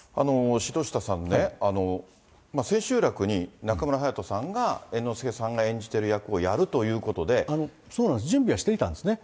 城下さんね、千秋楽に中村隼人さんが猿之助さんが演じている役をやるというこそうなんです、準備はしていたんですね。